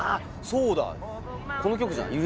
そうだこの曲じゃない？